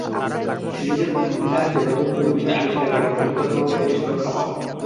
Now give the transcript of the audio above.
শিশুদের অধিকার আছে নতুন নতুন বিষয় আবিষ্কারের এবং ক্ষতিকর প্রভাব থেকে সুরক্ষা পাওয়ার।